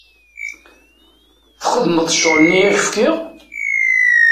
Txedmeḍ ccɣl-nni i ak-fkiɣ?